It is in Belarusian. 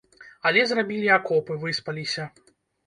Але зрабілі акопы, выспаліся.